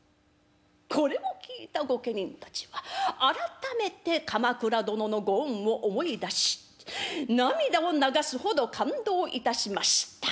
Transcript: これを聞いた御家人たちは改めて鎌倉殿のご恩を思い出し涙を流すほど感動いたしました。